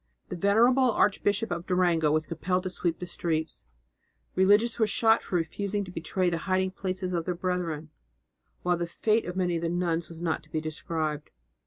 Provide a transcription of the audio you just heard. The venerable Archbishop of Durango was compelled to sweep the streets; religious were shot for refusing to betray the hiding places of their brethren, while the fate of many of the nuns is not to be described.